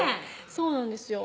そうなんですよ